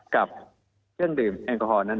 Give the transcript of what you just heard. กับเครื่องดื่มแอลกอฮอลนั้น